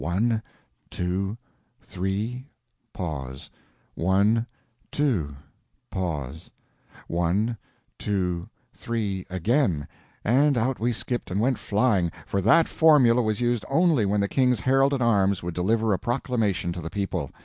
One—two—three; pause; one—two; pause; one—two—three, again—and out we skipped and went flying; for that formula was used only when the King's herald at arms would deliver a proclamation to the people.